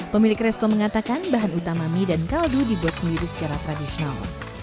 pemilik resto mengatakan bahan utama mie dan kaldu dibuat sendiri secara tradisional